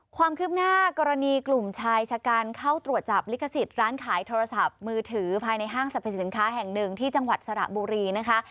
ความคืบหน้ากรณีกลุ่มชายชะกันเข้าตรวจจับลิขสิทธิ์ร้านขายโทรศัพท์มือถือภายในห้างสรรพสินค้าแห่งหนึ่งที่จังหวัดสระบุรีนะคะ